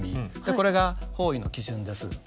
これが方位の基準です。